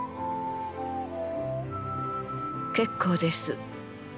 結構です。